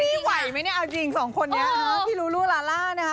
จะไหวไหมเนี่ยเอาจริงสองคนนี้พี่ลูลูลาล่านะคะ